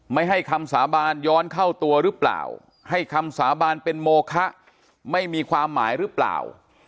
ไม่ให้คำสาบานย้อนเข้าตัวหรือเปล่าให้คำสาบานเป็นโมคะไม่มีความหมายหรือเปล่า